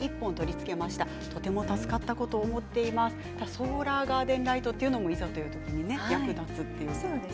ソーラーガーデンライトというものもいざという時に役立つんですね。